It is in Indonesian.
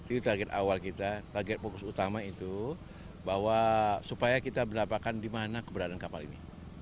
itu target awal kita target fokus utama itu bahwa supaya kita mendapatkan di mana keberadaan kapal ini